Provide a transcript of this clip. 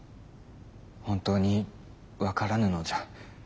本当に分からぬのじゃ。